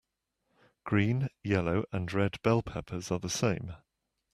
Green, yellow and red bell peppers are the same.